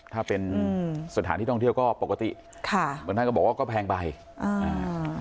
ถ้าเป็นสถานที่ท่องเที่ยวก็ปกติค่ะบางท่านก็บอกว่าก็แพงไปอ่า